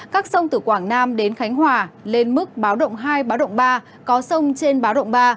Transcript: các sông từ quảng nam đến khánh hòa lên mức báo động hai báo động ba có sông trên báo động ba